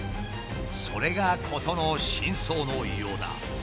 それが事の真相のようだ。